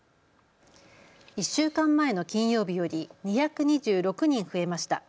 １週間前の金曜日より２２６人増えました。